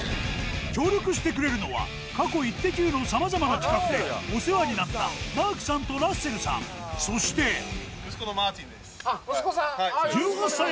協力してくれるのは過去『イッテＱ！』のさまざまな企画でお世話になったマークさんとラッセルさんそしてあっ息子さん！